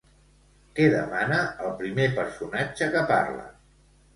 Què demana el primer personatge que parla?